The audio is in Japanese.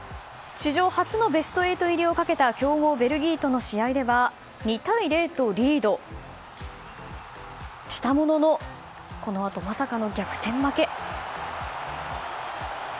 史上初のベスト８入りをかけた強豪ベルギーとの試合では２対０とリードしたもののこのあとまさかの逆転負け。